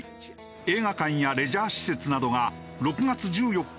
映画館やレジャー施設などが６月１４日まで閉鎖。